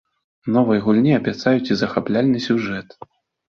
Новай гульні абяцаюць і захапляльны сюжэт.